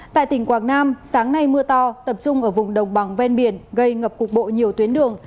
tại tỉnh quảng nam sáng nay mưa to tập trung ở vùng đồng bằng ven biển gây ngập cục bộ nhiều tuyến đường